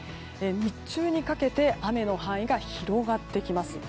日中にかけて雨の範囲が広がってきます。